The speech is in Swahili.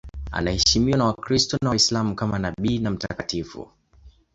Anaheshimiwa na Wakristo na Waislamu kama nabii na mtakatifu.